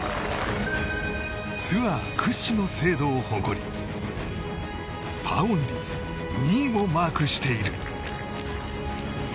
ツアー屈指の精度を誇りパーオン率２位もマークしている。